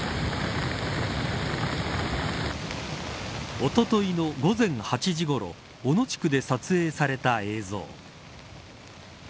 おとといの午前８時ごろ小野地区で撮影された映像。